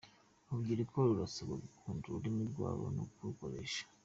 Urubyiruko rurasabwa gukunda ururimi rwabo no kurukoresha